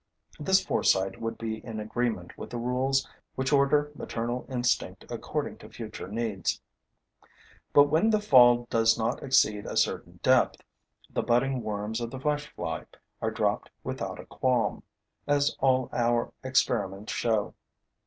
This foresight would be in agreement with the rules which order maternal instinct according to future needs. But when the fall does not exceed a certain depth, the budding worms of the flesh fly are dropped without a qualm, as all our experiments show.